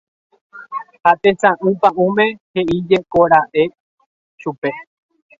ha tesay pa'ũme he'íjekoraka'e chupe